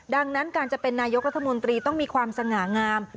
ดังนั้นการจะเป็นนายกรัฐมนตรีต้องมีความสง่างาม